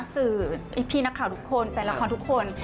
พี่นักข่าวทุกคนแฟนละครทุกคน